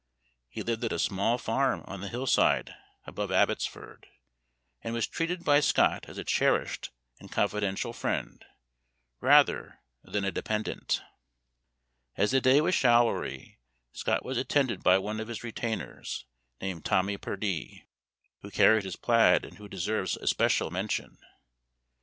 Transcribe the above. He lived at a small farm on the hillside above Abbotsford, and was treated by Scott as a cherished and confidential friend, rather than a dependent. As the day was showery, Scott was attended by one of his retainers, named Tommie Purdie, who carried his plaid, and who deserves especial mention.